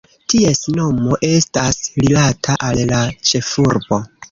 Ties nomo estas rilata al la ĉefurbo.